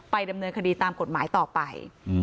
ดำเนินคดีตามกฎหมายต่อไป